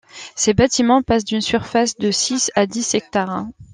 Ses bâtiments passent d’une surface de six à dix hectares.